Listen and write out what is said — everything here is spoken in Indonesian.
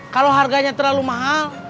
kalau harganya terlalu mahal